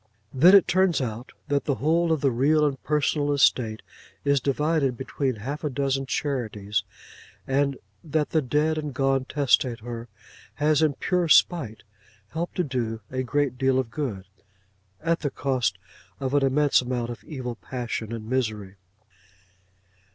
Then it turns out, that the whole of the real and personal estate is divided between half a dozen charities; and that the dead and gone testator has in pure spite helped to do a great deal of good, at the cost of an immense amount of evil passion and misery.